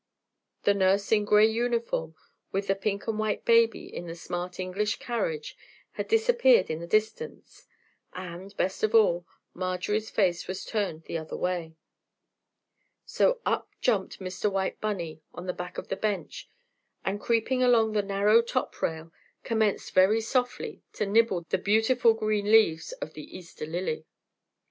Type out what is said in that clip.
The nurse in gray uniform with the pink and white baby in the smart English carriage, had disappeared in the distance, and, best of all, Marjorie's face was turned the other way. So up jumped Mr. White Bunny on the back of the bench, and creeping along the narrow top rail, commenced very softly to nibble the beautiful green leaves of the Easter Lily.